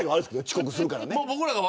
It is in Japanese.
遅刻するから。